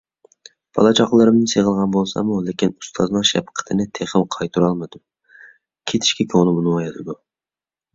بالا - چاقىلىرىمنى سېغىنغان بولساممۇ، لېكىن ئۇستازنىڭ شەپقىتىنى تېخى قايتۇرالمىدىم. كېتىشكە كۆڭلۈم ئۇنىمايۋاتىدۇ.